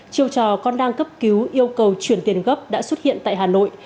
chiều trò con đang cấp cứu yêu cầu chuyển tiền gấp đã xuất hiện tại hà nội